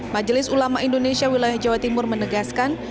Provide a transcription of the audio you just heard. majelis ulama indonesia wilayah jawa timur menegaskan